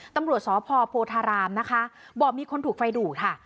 ตำรวจสพโพธารามนะคะบอกมีคนถูกไฟดูดค่ะ